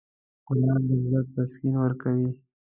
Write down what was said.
ګلان د زړه تسکین ورکوي.